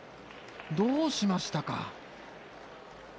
どうしましたか。